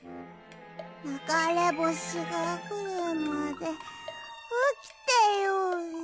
ながれぼしがくるまでおきてようね。